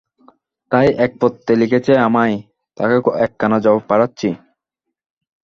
তাই এক পত্রে লিখেছে আমায়!! তাকে একখানা জবাব পাঠাচ্ছি।